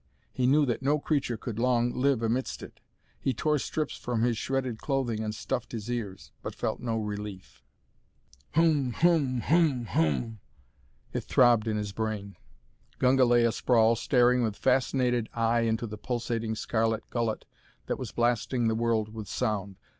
He knew that no creature could long live amidst it. He tore strips from his shredded clothing and stuffed his ears, but felt no relief. "HOOM! HOOM! HOOM! HOOM! HOOM!" It throbbed in his brain. Gunga lay a sprawl, staring with fascinated eye into the pulsating scarlet gullet that was blasting the world with sound.